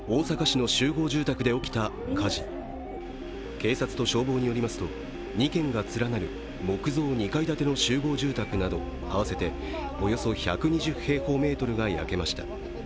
警察と消防によりますと２軒が連なる木造２階建ての集合住宅など合わせておよそ１２０平方メートルが焼けました。